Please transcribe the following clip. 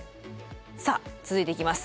さあ続いていきます。